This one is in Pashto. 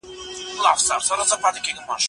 موږ باید د خپلي پوهني قدر وکړو.